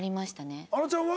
あのちゃんは？